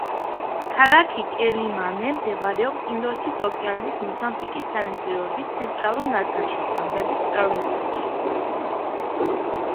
ქალაქი კელიმანე მდებარეობს ინდოეთის ოკეანის მოზამბიკის სანაპიროების ცენტრალურ ნაწილში, ზამბეზიის პროვინციაში.